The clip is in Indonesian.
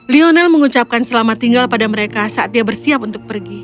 lionel mengucapkan selamat tinggal pada mereka saat dia bersiap untuk pergi